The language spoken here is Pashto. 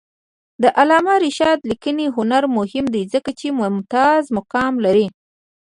د علامه رشاد لیکنی هنر مهم دی ځکه چې ممتاز مقام لري.